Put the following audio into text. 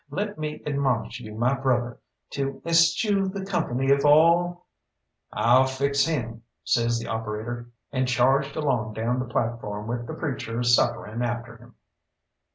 Let me admonish you, my brother, to eschew the company of all " "I'll fix him," says the operator, and charged along down the platform with the preacher suffering after him.